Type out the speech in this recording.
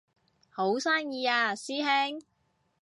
好生意啊師兄